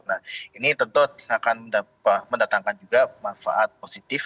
nah ini tentu akan mendatangkan juga manfaat positif